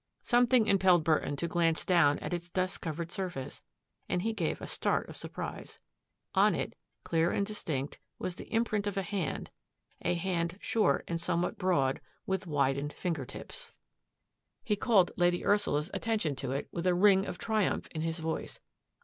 Something impelled Burton to glance down at its dust covered surface and he gave a start of surprise. On it, clear and distinct, was the im print of a hand — a hand short and somewhat broad, with widened finger tips. THE DRESSING TABLE DRAWER lOS He called Lady Ursula's attention to it with a ring of triumph in his voice.